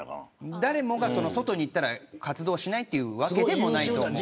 誰もが外にいたら活動しないというわけではない。